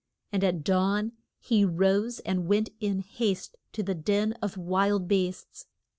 And at dawn he rose and went in haste to the den of wild beasts.